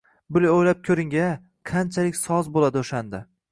- Bir o‘ylab ko‘rgin-a, qanchalik soz bo‘ladi o'shanda!